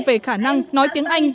về khả năng nói tiếng anh